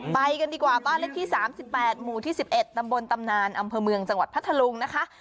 ไปกันดีกว่าบ้านเลขที่๓๘หมู่ที่๑๑ตำบลตำนานอำเภอเมืองจังหวัดพัทธลุงนะคะ